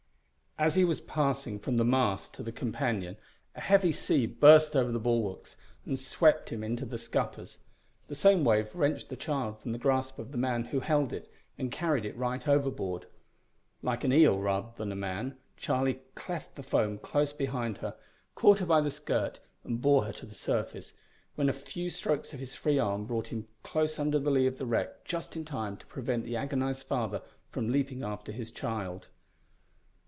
As he was passing from the mast to the companion a heavy sea burst over the bulwarks, and swept him into the scuppers. The same wave wrenched the child from the grasp of the man who held it and carried it right overboard. Like an eel, rather than a man, Charlie cleft the foam close behind her, caught her by the skirt and bore her to the surface, when a few strokes of his free arm brought him close under the lee of the wreck just in time to prevent the agonised father from leaping after his child.